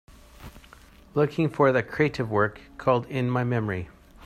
Looking for the crative work called In my memory